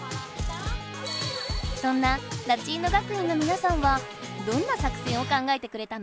そんなラチーノ学院のみなさんはどんな「作戦」を考えてくれたの？